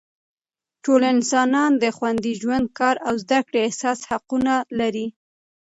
ټول انسانان د خوندي ژوند، کار او زده کړې اساسي حقونه لري.